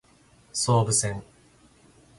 総武線